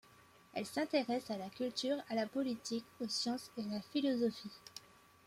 Elle s'intéresse à la culture, à la politique, aux sciences et à la philosophie.